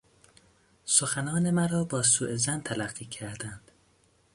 سخنان مرا با سو ظن تلقی کردند.